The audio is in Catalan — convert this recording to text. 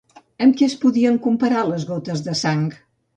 Amb què es podien comparar les gotes de sang?